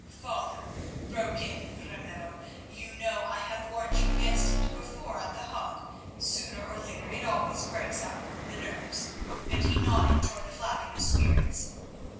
"Father," broke in Ramiro, "you know I have warned you against it before at The Hague; sooner or later it always breaks up the nerves," and he nodded towards the flagon of spirits.